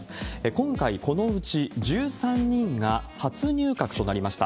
今回、このうち１３人が初入閣となりました。